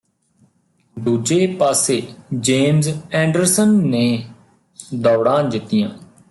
ਦੂਜੇ ਪਾਸੇ James Anderson ਨੇ ਦੌੜਾਂ ਦਿੱਤੀਆਂ